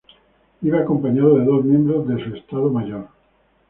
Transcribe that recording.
Iba acompañado de dos miembros de su Estado Mayor.